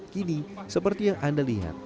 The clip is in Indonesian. kini seperti yang anda lihat